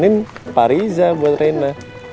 ini pak riza buat rena